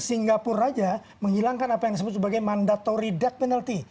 singapura saja menghilangkan apa yang disebut sebagai mandatory deck penalti